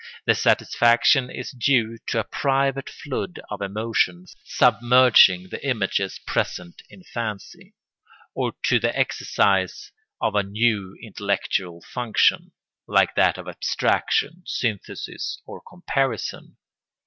The satisfaction is due to a private flood of emotion submerging the images present in fancy, or to the exercise of a new intellectual function, like that of abstraction, synthesis, or comparison.